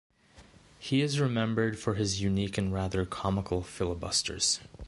He is remembered for his unique and rather comical filibusters.